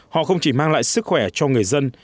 họ không chỉ mang lại sức khỏe cho người dân